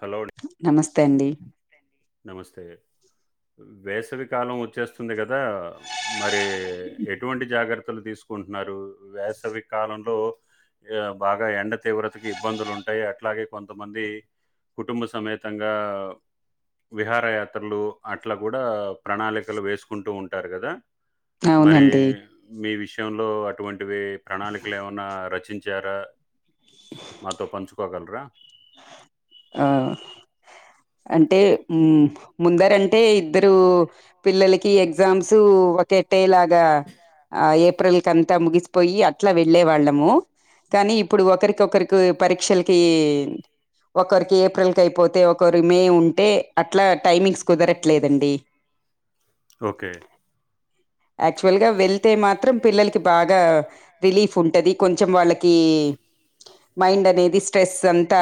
Hello అండి. నమస్తే అండి నమస్తే వేసవికాలం వచ్చేస్తుంది కదా మరి ఎటువంటి నమస్తే అండి వేసవి కరణ్ వచ్చేస్తుంది కదా మరి ఎటువంటి జాగ్రత్తలు తీసుకుంటున్నారు వేసవి కాలంలో బాగా ఎండ తీవ్రతకు ఇబ్బందులు ఉంటాయి అట్లాగే కొంతమంది కుటుంబ సమేతంగా విహారయాత్రలు అట్లా కూడా ప్రణాళికలు వేసుకుంటూ ఉంటారు కదా మరే అవునండి మీ విష వి లో అటువంటి ప్రణాళికలు ఏమన్నా రచించ జర మాతో పంచుకోగలరా ఆ అంటే ఉమ్ ముందరంటే, ఇద్దరు పిల్లలకి ఎగ్జామ్స్ ఒకే. టేలాగా ఆ ఏప్. ఏప్రిల్ కంతా ముగిసిపోయి, అట్లా వెళ్లే వాళ్ళము కానీ ఇప్. ఇప్పుడు ఒకరికొకరికి పరీక్షలకి, ఒకరికి ఏప్రిల్ కైపోతే ఒక్. కోరి మే ఉంటే అట్లా టైమింగ్స్ కుదరట్లేదండి. ఓకే. ఆక్చువల్ గా వెల్తే మాత్రం, పిల్లలకి బాగ రిలీఫ్ ఉంటది. ది కొంచం వాళ్ళక్. కీ, మైండ్ అనేది స్ట్రెస్ అంతా,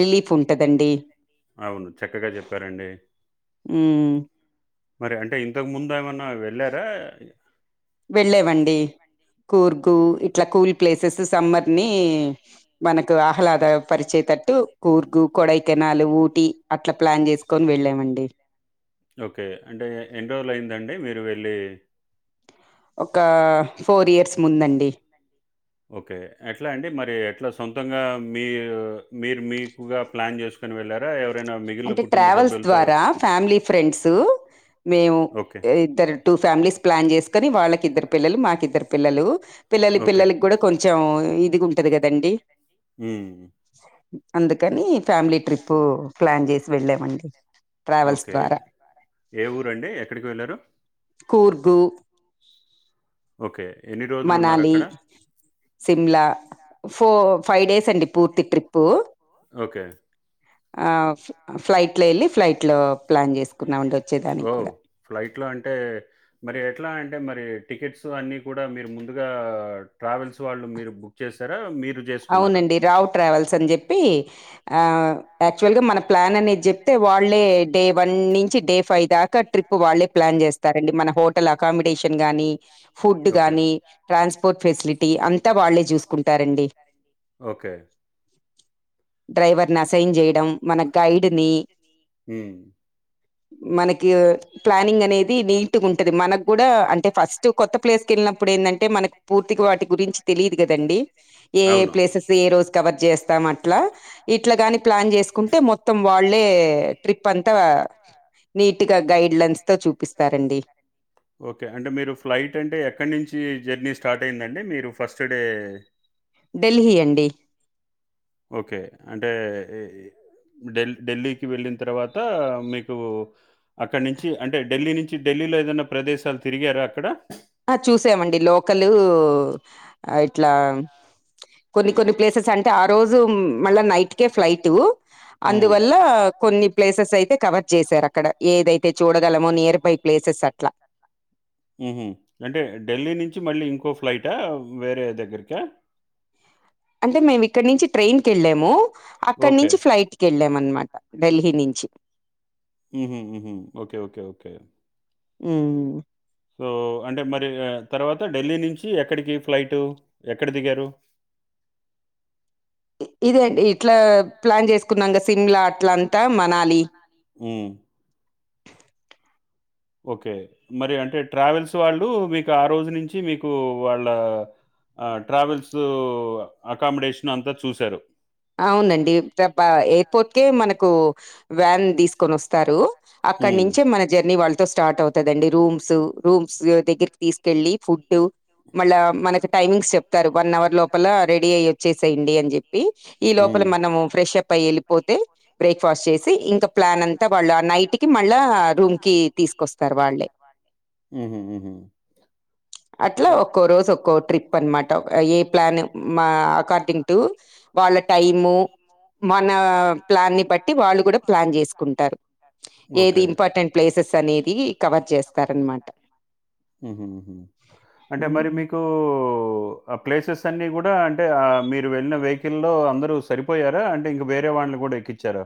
రిలీఫ్ ఉంటదండి. అవును చక్కగా చెప్పారండి. ఉమ్. మరి అంటే ఇంతక్ ముందు ఏమన్నా వెళ్ళారా. వెళ్ళేవండి కూర్గ్. కు ఇట్లా కూల్. ప్లేసెస్ సమ్మర్ని. మనకు ఆహ్లాద పరిచయ తట్. కు కూర్గు, కొడై. కేనాలు, ఊటి, అట్లమ్. ఓకే, అంటే ఎన్ని రోజులు అయిందండి మీరు వెల్. ప్లే. ఒక ఫోర్ ఇయర్స్ ముందండి. ఓకే ఎట్లా అండి మరి, ఎట్లా సొంతంగా మీ, మీర్ మీకుగా ప్లాన్ జేస్. అంటే ట్రావెల్స్ ద్వారా, ఫ్యామిలీ ఫ్రెండ్స్, మేము ఓకే. ఇద్దరు, టూ ఫ్యామిలీ ప్లాన్ జేసుకోని వాళ్ళకి. ఇద్దర్ పిల్లలు, మాకిద్దరు పిల్లలు. పిల్లల, ఓకే. పిల్లలకి గూడా కొంచెం ఇద్. ఎదిగు ఉంటంది కదండి హ్మ్ అందుకని ఫ్యామిలీ ట్రిప్. పూ ప్లాన్ చేసి వెళ్ళామండి. Travels okay. ద్వారా ఏ ఊరండి, ఎక్కడికి వెళ్ళారు. కూర్గు. ఓకే. ఎన్ని మనాలి, రోజులున్నారక్కడ? సిమ్లా. ఫో, ఫైవ్ డేస్ అండి, పూర్తి ట్రిప్పు. ఓకే. ఆ ఫ్లై ఫ్లైట్ లో ఎళ్ళి, ఫ్లైట్ లో ప్లాన్ చేసుకున్నామండి. [unintelligible] ఓ కూడా ఫ్లైట్ లో అంటే, మరి ఎట్లా అంటే మరి. టికెట్స్ అన్ని కూడా మీరు ముందుగా, ట్రావెల్స్ వాళ్ళు, మీరు బుక్ చేసారా, మీర్. అవునండి, రావు ట్రావెల్స్ అని జేప్పి. ఆ యాక్చువల్ గా మన ప్లాన్ అనేది చెప్తే వాళ్ళే డే వన్ నుంచి డే ఫైవ్ దాకా ట్రిప్ వాళ్ళే ప్లాన్ చేస్తారండి మన హోటల్ అకామిడేషన్ గానీ ఫుడ్ ఓకే. గాని ట్రాన్స్పోర్ట్ ఫెసిలిటీ అంతా వాళ్ళే చూసుకుంటారండి ఓకే డ్రైవర్ ని అసైన్ చేయడం మన గైడ్ ని హ్మ్. మనకి ప్లానింగ్ అనేది నీట్గా ఉంటది మనకు కూడా అంటే ఫస్ట్ కొత్త ప్లేస్ క వెళ్ళినప్పుడు ఏంటంటే మనకు పూర్తిగా వాటి గురించి తెలియదు కదండి ఏ అవును. ప్లేసెస్ ఏ రోజు కవర్ చేస్తాం అట్లా ఇట్లా ని ప్లాన్ చేసుకుంటే మొత్తం వాళ్ళే ట్రిప్ అంతా నీట్ గా గైడ్ లైన్స్ తో చూపిస్తారండి ఓకే అంటే మీరు ఫ్లైట్ అంటే ఎక్కడి నుంచి జర్నీ స్టార్ట్ అ అయిందండి మీరు ఫస్ట్ డే ఢెల్హి అండి ఓకే అంటే ఢిల్లీకి వెళ్ళిన తర్వాత మీకు అక్కడి నుంచి అంటే ఢిల్లీ నుంచి ఢిల్లీలో ఏదైన్నా ప్రదేశాలు తిరిగారా అక్కడ ఆ చూసామండి లోకల్ ఇట్లా కొన్ని కొన్ని ప్లేసెస్ అంటే ఆ రోజు మళ్ళా నైట్కే ఫ్లైట్ హ్మ్. అందువల్ల కొన్ని ప్లేసెస్ అయితే కవర్ చేసారు అక్కడ ఏదైతే చూడగలమో నియర్ బై ప్లేసెస్ అట్లా హ్మ్ అంటే ఢిల్లీ నుంచి మళ్ళీ ఇంకో ఫ్లైటా వేరే దగ్గరికా అంటే మేము ఇక్కడ నుంచి ట్రైన్ కేళ్ళాము అక్కడ ఓకే. నుంచి ఫ్లైట్కి వెళ్ళాం అనమాట ఢిల్లీ నుంచి ఓకే ఓకే ఓకే ఆ సో అంటే మరి తర్వాత ఢిల్లీ నుంచి ఎక్కడికి ఫ్లైటు ఎక్కడ దిగారు ఇదేండి ఇట్లా ప్లాన్ చేసుకున్నాంగా సిమ్లా అట్లంతా మనాలి హ్మ్ ఓకే మరి అంటే ట్రావెల్స్ వాళ్ళు మీకు ఆ రోజు నుంచి మీకు వాళ్ళ ట్రావెల్స్ అకామిడేషన్ అంతా చూశారు అవునండి తప్ప అయిపోతేక మన వ్యాన్ తీసుకొని వస్తారు అక్కడ హ్మ్. నుంచే మన జర్నీ వాళ్ళ స్టార్ట్ అవుతందండి రూమ్స్ రూమ్స్ దగ్గరికి తీసుకెళ్ళలి ఫుడ్ మళ్ళా మనకి టైమింగ్స్ చెప్తారు వన్ అవర్ లోపల రెడీ అయి వచ్చేసేయండి అని చెప్పి ఈ లోపల హ్మ్. మనము ఫ్రెష్ అప్ వెళ్ళిపోతే బ్రేక్ఫాస్ట్ చేసి ఇంకా ప్లాన్ అంత వాళ్ళు ఆ నైట్ కి మళ్ళా రూమ్ కి తీసుకొస్తారు వాళ్ళే హుహు. హుహు. అట్లా ఓ ఒక్కో రోజు ఒక్కో ట్రిప్ అనమాట ఏ ప్లాన్ మా అకార్డింగ్ టు వాళ్ళ టైము మన ప్లాన్ని ని బట్టి వాళ్ళు కూడా ప్లాన్ చేసుకుంటారు ఏది ఓకే. ఇంపార్టెంట్ ప్లేసెస్ అనేది కవర్ చేస్తారన్నమాట హుహు. ఓ ఆ ప్లేసెస్ అన్ని కూడా అంటే ఆ మీరు వెళ్ళిన వెహికల్ల్ లొ అందరు సరిపోయారా అంటే ఇంక వేరే వాళ్ళని కూడా ఎక్కించారా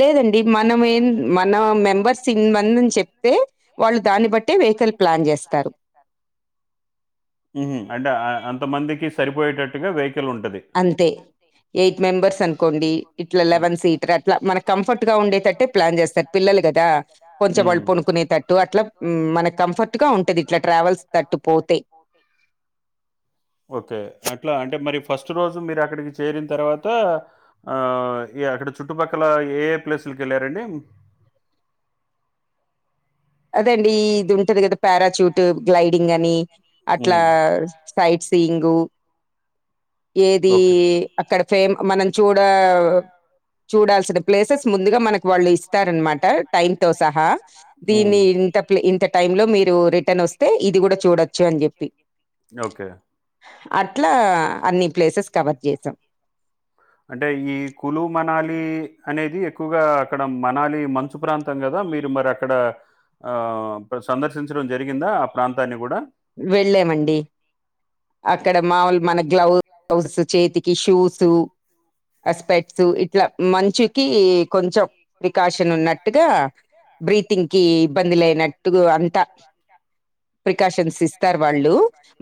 లేదండ్ ఇది మనం ఎంద్ మన మెంబర్స్ ఇంత మంది అని చెప్తే వాళ్ళు దాన్ని బట్టే వెహికల్ ప్లాన్ చేస్తారు ఉహు అంటే అంత మందికి సరిపోయేటట్టుగా వె అంతే ఎయిట్ మెంబర్స్ అంత్ కొండి ఇట్లా లెవెన్ సీటర్ అట్లా మన కంఫర్ట్ గా ఉండేటట్టే ప్లాన్ చేస్తారు పిల్లలు కదా కొంచెం మ్మ్. వాళ్ళు పనుకునేటట్టు అట్లా మనకి కంఫర్ట్ గా ఉంటది ఇట్లా ట్రావెల్స్ తట్టు పోతే ఓకే అట్లా అంటే మరి ఫస్ట్ రోజు మీరు అక్కడికి చేరిన తర్వాత ఆ ఇ అక్కడ చుట్టుపక్కల ఏ ఏ ప్లేసులక వెళ్ళారండి అదే అండి ఇది ఉంటదిగద పారాషూట్ గ్లైడింగ్ అని అట్లా మ్మ్. సైట్స్ తీంగు ఏది అక్కడ ఫేమ్ మనం చూడ చూడాల్సిన ప్లేసెస్ ముందుగా మనకు వాళ్ళు ఇస్తారనమాట టైమ్ తో సహా మ్మ్. దీన్ని ఇంత ఇంత టైం లో మీరు రిటర్న్ వస్తే ఇది కూడా చూడచ్చు అని చెప్పి ఇది ఓకే అట్లా అన్ని ప్లేసెస్ కవర్ చేసాం అంటే ఈ కులు మనాలి అనేది ఎక్కువగా అక్కడ మనాలి మంచు ప్రాంతం కదా మీరు మరి అక్కడ ఆ సందర్శించడం జరిగిందా ఆ ప్రాంతాన్ని కూడా వెళామండి. అక్కడ మాముూలు మన గ్లౌస్ చేతికి షూస్ అ స్పెట్స్ ఇట్లా మంచుకి కొంచెం ప్రికాషన్ ఉన్నట్టుగా బ్రీతింగ్ కి ఇబ్బంది లేన టుగొ అంత ప్రికాషన్స్ సిస్తార్ వాళ్ళు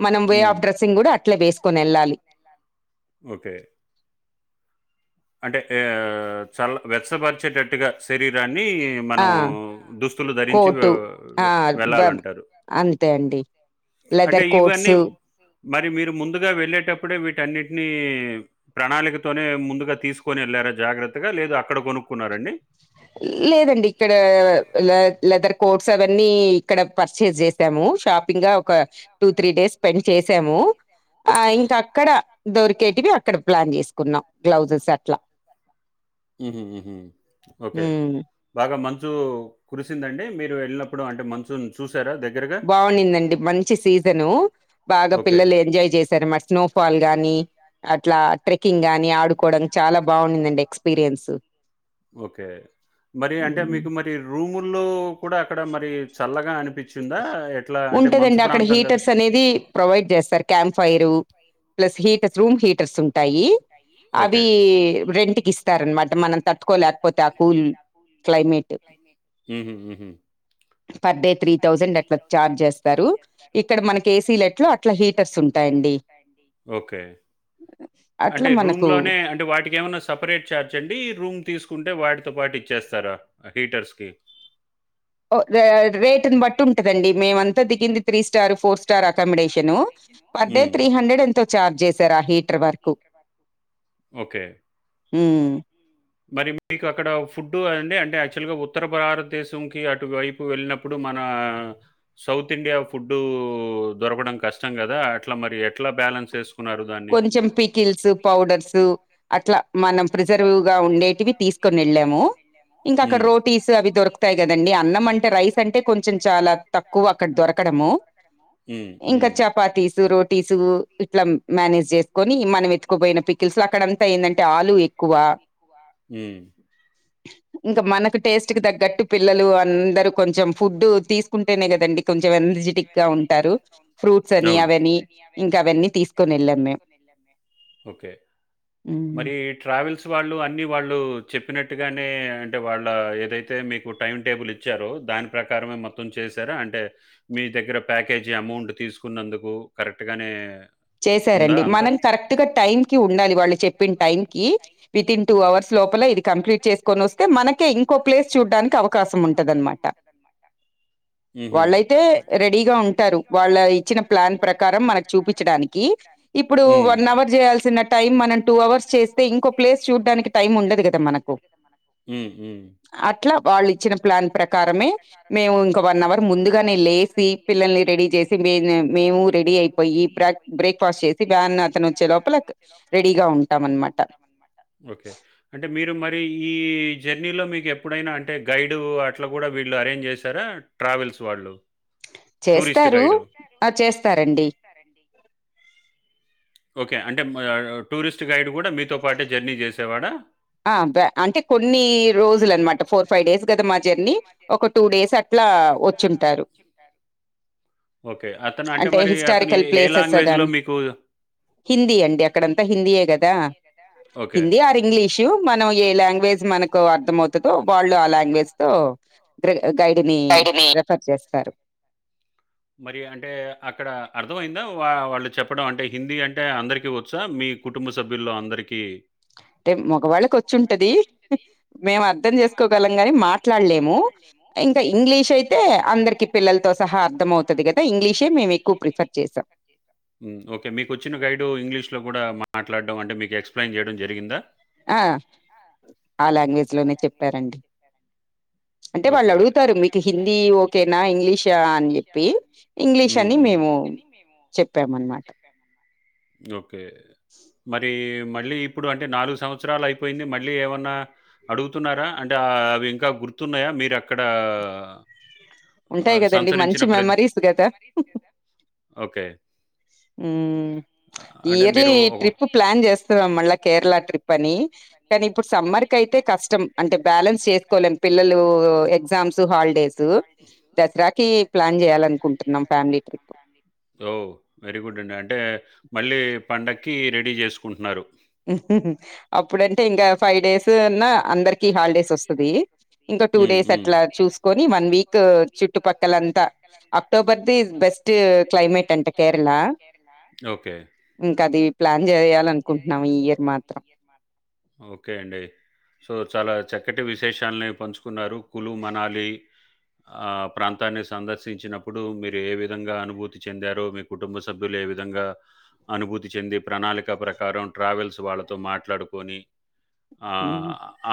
మనం వే హ్మ్. ఆఫ్ డ్రెస్సింగ్ కూడా అట్లే వేసుకొని వెళ్ళాలి. ఓకే. అంటే ఆ చాలా వెచ్చపరిచేటట్టుగా శరీర ఆ మనం దుస్తులు ధరించి కోటు ఆ బ వెళ్ళాలంటారు అంతే అండి అంటే లెదర్ ఇవన్నీ కోట్స్ మరి మీరు ముందుగా వెళ్ళేటప్పుడే వీటన్నిటిని ప్రణాళికతోనే ముందుగా తీసుకుని వెళ్ళారా జాగ్రత్తగా లేద లేదండి ఇక్కడ లెదర్ కో అవన్నీ ఇక్కడ పర్చేస్ చేసాము షాపింగ్ గా ఒక టూ త్రీ డేస్ స్పెండ్ చేసాము. ఇంకా అక్కడ దొరికేటివి అక్కడ ప్లాన్ చేసుకున్నాం గ్లౌజెస్ అట్లా మ్మ్ మ్ హ్మ్. బాగా కురిసిందండి మీరు వెళ్ళినప్పుడు అంటే మంచునుచూసి బాగున్నిందండి మంచి సీజను బాగా ఓకే. పిల్లలు ఎంజాయ్ చేశారు. మారి స్నోఫాల్ గాని అట్లా ట్రెక్కింగ్ గాని ఆడుకోవడం చాలా బాగుందండి ఎక్స్పీరియన్స్ ఓకే మరి అంటే మీకు మరి రూమ్ నో ఎట్లా అంటే మంచు ఉంటదండి అక్కడ ప్రాంతం గదా! హీటర్స్ అనేది ప్రొవైడ్ చేస్తారు. క్యాంప్ ఫైరు ప్లస్ హీ రూమ్ హీటర్స్ ఉంటాయి ఓకే. అవి రెంట్కి అనమాట మనం తట్టుకోలేక ఉహ్ ఉహ్ పర్ డే త్రీ థౌజండ్ అట్లా చార్జ్ చేస్తారు ఇక్కడ మనకి ఏసీలెట్లో అట్లా హీటర్స్ ఉంటాయండి అట్లా అంటే రూమ్ మనకు లోనే అంటే వాటికి ఏమన్నా సపరేట్ చార్జ్ అండి రూమ్ తీసుకుంటే వాటి తో పాటు ఇచ్చేస్తారా హీటర్స్కి ఓ రేటుని బట్టి ఉంటుదండి. మేమ అంతా దిగింది three star four star accommodation per day హ్మ్. త్రీ హండ్రెడ్ ఎంతో ఛార్జ్ చేశారు. ఆ హీటర్ వరకు ఓకే. హ్మ్ మరి మీకు అక్కడ ఫుడ్డు అండి అంటే యాక్చువల్ గా ఉత్తర భారతదేశంకి అటువైపు వెళ్ళినప్పుడు మన సౌత్ ఇండియా ఫుడ్డు దొరకడం కష్టం. కదా అట్లా మరి ఎట్లా బ్యాలెన్స్ చేసు కొంచెం పీకిల్స్ పౌడర్స్ అట్లా మనం ప్రిజర్వ్ గా ఉండేటివి తీసుకొని వెళ్ళాము ఇంకా అక్కడ హ్మ్. రోటీస్ అవి దొరకు కదండి అన్నం అంటే రైస్ అంటే కొంచెం చాలా తక్కువ అక్కడ దొరకడము హ్మ్. ఇంకా హ్మ్. చపాతీ స్ రోటీస్ ఇట్లా మేనేజ్ చేసుకుని మనం ఎత్తుకుపోయిన పికిల్స్ అక్కడంతా ఏంది అంటే ఆలు ఎక్కువ హ్మ్. ఇంకా మనకు టేస్ట్ కు తగ్గట్టు పిల్లలు కొంచెం ఫుడ్ తీసుకుంటేనే కదండీ కొంచెం ఎనర్జిటిక్ గా ఉంటారు ఫ్రూట్స్ అని అవి అని ఇంకా అవి అన్ని ఒకే హ్మ్. మరి ట్రావెల్స్ అని వాళ్ళు చెప్ డేఫినెట్ గానే అంటే వాళ్ళ ఏదైతే మీకు టైం టేబుల్ ఇచ్చారు దాని ప్రకారమే మొత్తం చేసారా అంటే మీ దగ్గర ప్యాకేజీ అమౌంట్ తీసుకున్నందుకు కరెక్ట్ గానే చేశారండి మనం కరెక్ట్ గా టైమ్ కి ఉండాలి వాళ్ళు చెప్ టైమ్ కి వితిన్ టూ అవర్స్ లోపల ఇది కంప్లీట్ చేసుకొని వస్తు హ్మ్ ఉంటదనమాట వాళ్ళైతే రెడీగా ఉంటారు వాళ్ళ ఇచ్చిన ప్లాన్ ప్రకారం మనకు ఉ చూపించడానికి ఇప్పుడు వన్ అవర్ చేయాల్సిన టైమ్ మనం టూ అవర్స్ చేస్తే ఇంకో ప్లేస్ చూడ్డానికి టైమ్ ఉండదు. కదా మనకు ఉమ్, ఉమ్. అట్లా వాళ్ళు ఇచ్చిన ప్లాన్ ప్రకారమే మేము ఇంకా వన్ అవర్ ముందుగానే లేసి పిల్లల్ని రెడీ చేసి మే మేము రెడీ అయిపోయి ప్ర రెడీగా ఉంటాం అనమాట ఒకే అంటే మీరు అంటే ఈ జర్నీలో మీకు ఎప్పుడైనా అంటే గైడు అట్లా కూడా వీళ్ళు అరేంజ్ చేశారా ట్రావెల్స్ వాళ్ళు టూరిస్ట్ చేస్తారు గైడ్ ఆ చేస్తారండి ఓకే అంటే టూరిస్ట్ గైడ్ కూడా మీతో పాటే జర్నీ చేసేవాడా అ బ్యా అంటే కొన్ని రోజులు అనమాట ఫోర్ ఫైవ్ డేస్ కదా మా జర్నీ ఒక టూ డేస్ అట్లా వచ్చింటారు ఓకే అతను అంటే మరి అతను హిస్టారికల్ ఏ ఏ ప్లేసెస్ లాంగ్వేజ్లో గాని మీకు హిందీ అండి అక్కడంతా హిందీయే కదా ఓకే హిందీ ర్ ఇంగ్లీష్ ష మనం ఏ లాంగ్వేజ్ మనకు అర్థమవుతుందో వాళ్ళు ఆ లాంగ్వేజ్ తో గైడ్ ని రెఫర్ చేస్తారు మరి అంటే అక్కడ అర్ధమయిందా వా చెప్పడం అంటే హిందీ అంటే అందరిక వచ్చా మీ కుటుంబ సభ్యుల్లో అందరికీ అంటే మగవాళ్ళకి వచ్చుంటది మేము మేము అర్థం చేసుకోగలం గాని చేసుకోకలుగుతం కానీ మాట్లాడలేము మాట్లాడాంము ఇంకా ఇంగ్లీష్ ఇంకా అయితే ఇంగ్లీష్ అయతే అందరికి పిల్లలతో అందరకీ సహా పిల్లలతో అర్థం సహా అవుతది కదా అర్థమవుతుంది ఇంగ్లీషే కథ మేము ఇంగ్లీష్ ఎక్కువ ప్రిఫర్ ఏకువ చేసాం ప్రిఫర్ చేస్తాం ఒక మేక్ వచ్చిన గైడ్ ఇంగ్లీష్ లో గూడా మాట్లాడడం అంటే మీకు ఎక్స్ప్రెస్ యిన్ చేయడం జరిగిందా ఆ ఆ లాంగ్వేజ్ లోనే చెప్పారు తథ్యా అంటే వాళ్ళు ఓకే. అడుగుతారు మీకు హిందీ ఓకేనా ఇంగ్లీషా అని చెప్పి ఇంగ్లీష్ హ్మ్. అని హ్మ్. మేము చెప్పాము అనమాట ఓ ఓకే మరి మరి మళ్ళీ ఇప్పుడు అంటే నాలుగు సంవత్సరాలు అయిపోయింది మళ్ళీ ఏమన్నా అడుగుతున్నారా అంటే అవి ఇంకా గుర్ వతున్నాయా మీరు అక్కడ ఉంటాయి కదండి మంచి మెమరీస్ కదా ఓకే. హ్మ్. ఆహ్, అంటే ఇయర్లీ మీరు ఒక ట్రిప్ ప్లాన్ చేస్తున్నాం మళ్ళ కేరళ ట్రిప్ అని కానీ అప్పుడు సమ్మర్ క అయితే కష్టం అంటే బ్యాలెన్స్ చేసుకోలేము పిల్లలు ఎగ్జామ్స్ హాలిడేస్ దసరాకి ప్లాన్ చేయాలనుకుంటున్నాం ఫ్యామిలీ ట్రిప్ ఓ వెరీ గుడ్ అండి అంటే మళ్ళీ పండగ కి రెడీ చేసుకుంటున్నారు అప్పుడు అ ఇంకా ఫైవ్ డేస్ అన్నా అందరికి హాలిడేస్ వస్తుంది ఇంకా టూ హ్మ్. ఒక డేస్ హ్మ్. అట్లా చూసుకని వన్ వీక్ చుట్టుపక్కలంతా అక్టోబర్ది బెస్ట్ క్లైమేట్ అంట కేరళ ఓకే. ఇంకా అది ప్లాన్ చేయాలనుకుంటు చేయాలని అనుకున్నాం ఏ ఇయర్ మాత్రం ఓకే అండి సో చ చాలా చక్కటి విశేషాలని పంచుకున్నారు కల్లూ మనాలీ ప్రాంతాన్ని సందర్శించినప్పుడు మీరు ఏ విధంగా అనుభూతి చెందారో మీ కుటుంబ సభ్యులు ఏ విధంగా అనుభూతి చెంది ప్రణాళిక ప్రకారం ట్రావెల్స్ వాళ్ళతో మాట్లాడుకొని ఆ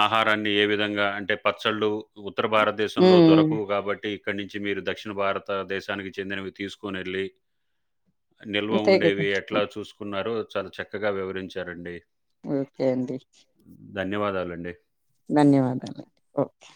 ఆహారాన్ని ఏవి విధంగా అంటే పచ్చళ్ళు ఉత్తర భారతదేశంలో ఉమ్ దొరకువు కాబట్టి ఇక్కడి నుంచి మీరు దక్షిణ భారతదేశానికి చెందినవి తీసుకొనిళ్ళి నిల్వ అంతే కదా ఉండేవి ఎట్లా చూసుకున్నారు చాలా చక్కగా వివరించారండి ఉ ఏంటి ధన్యవాదాలండి ధన్యవాదాలు ఓకే